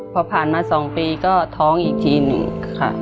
พอผ่านมา๒ปีก็ท้องอีกทีหนึ่งค่ะ